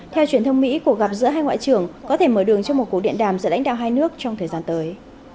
theo truyền thông mỹ cuộc gặp giữa hai ngoại trưởng có thể mở đường cho một cuộc điện đàm giữa lãnh đạo hai nước trong thời gian tới